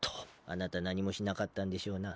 あなた何もしなかったんでしょうな？